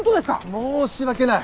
申し訳ない。